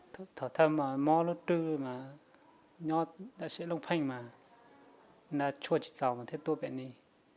thầy thuốc thầy mổ nó đưa mà nhỏ xếp nó phênh mà nó chua chứ chào mà thầy thuốc bệnh nhân